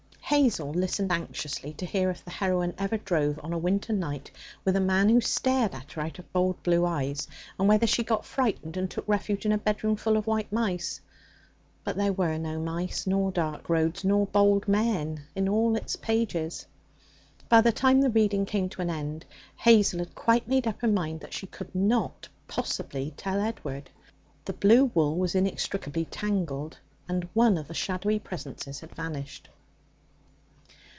Hazel listened anxiously to hear if the heroine ever drove on a winter night with a man who stared at her out of bold blue eyes, and whether she got frightened and took refuge in a bedroom full of white mice. But there were no mice, nor dark roads, nor bold men in all its pages. By the time the reading came to an end, Hazel had quite made up her mind that she could not possibly tell Edward. The blue wool was inextricably tangled, and one of the shadowy presences had vanished.